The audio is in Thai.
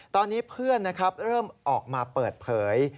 ตอนนี้เพื่อนเริ่มออกมาเปิดเผย